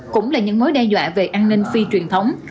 cũng là những mối đe dọa về an ninh phi truyền thống